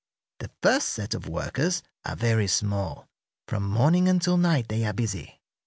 "The first set of workers are very small. From morning until night they are busy.